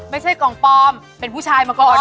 ไม่ใช่กล่องปลอมเป็นผู้ชายมาก่อน